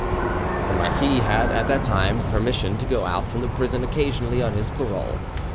The marquis had at that time permission to go out from prison occasionally on his parole.